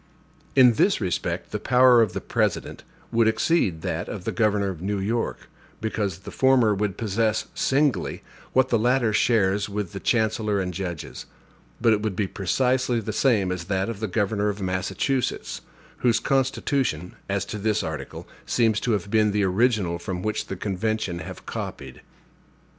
In this respect the power of the President would exceed that of the governor of New York, because the former would possess, singly, what the latter shares with the chancellor and judges; but it would be precisely the same with that of the governor of Massachusetts, whose constitution, as to this article, seems to have been the original from which the convention have copied.